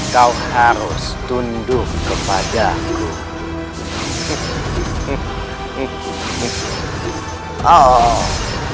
kau harus tunduk kepadaku